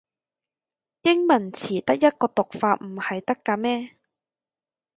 英文詞得一個讀法唔係得咖咩